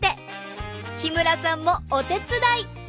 日村さんもお手伝い！